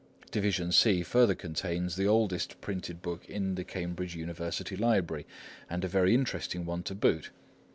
Division C further contains the oldest printed book in the Cambridge University Library, and a very interesting one to boot.